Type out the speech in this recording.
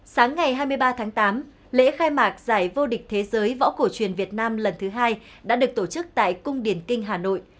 sáng ngày hai mươi ba tháng tám lễ khai mạc giải vô địch thế giới võ cổ truyền việt nam lần thứ hai đã được tổ chức tại cung điển kinh hà nội